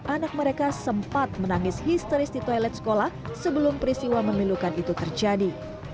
anak mereka sempat menangis histeris di toilet sekolah sebelum peristiwa memilukan itu terjadi